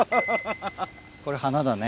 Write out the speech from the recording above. これ花だね。